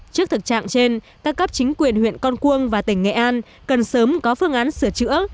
trước thực trạng trên các cấp chính quyền huyện con cuông và tỉnh nghệ an cần sớm có phương án sửa chữa